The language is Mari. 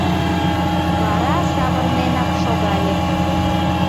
Вара савырненак шогале.